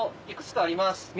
いくつかあります。